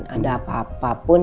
ada apa apa pun